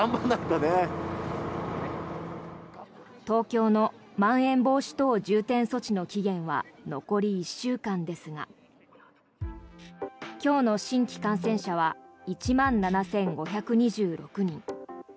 東京のまん延防止等重点措置の期限は残り１週間ですが今日の新規感染者は１万７５２６人。